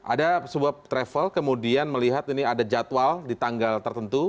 ada sebuah travel kemudian melihat ini ada jadwal di tanggal tertentu